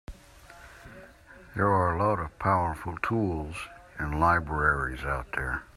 There are a lot of powerful tools and libraries out there.